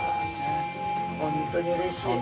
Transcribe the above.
本当にうれしい。